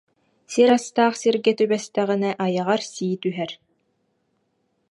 Сир астаах сиргэ түбэстэҕинэ айаҕар сии түһэр